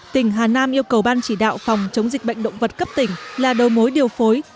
tỉnh hà nam yêu cầu ban chỉ đạo phòng chống dịch bệnh động vật cấp tỉnh là đầu mối điều phối